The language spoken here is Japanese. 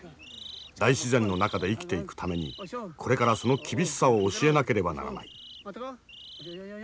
大自然の中で生きていくためにこれからその厳しさを教えなければならない。